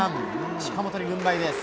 近本に軍配です。